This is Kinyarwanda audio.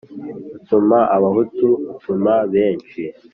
Utuma abahutu atuma benshi.